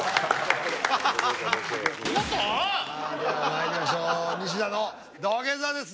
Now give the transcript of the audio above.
さあではまいりましょう西田の土下座です